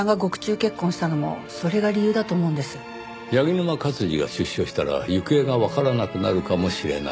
柳沼勝治が出所したら行方がわからなくなるかもしれない。